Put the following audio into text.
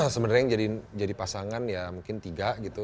sebenarnya yang jadi pasangan ya mungkin tiga gitu